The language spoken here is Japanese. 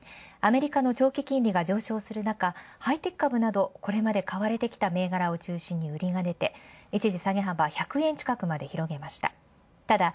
アメリカの長期金利が上昇するなかハイテク株などこれまで買われてきた銘柄を中心に売りが出て、一時下げ幅１００円近くまで広げました。